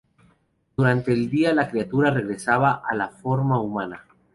Durante el día la criatura regresaba a la forma humana.